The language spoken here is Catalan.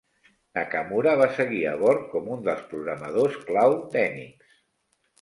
Nakamura va seguir a bord com un dels programadors clau d'Enix.